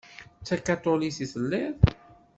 D takaṭulit i telliḍ?